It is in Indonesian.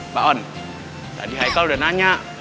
mbak on tadi haikal udah nanya